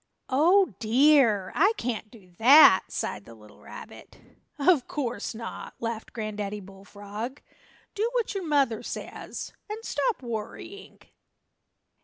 "Oh, dear, I can't do that!" sighed the little rabbit. "Of course not," laughed Granddaddy Bullfrog. "Do what your mother says, and stop worrying!"